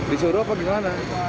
di suruh apa gimana